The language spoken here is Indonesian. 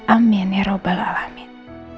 amin ya rabbal alamin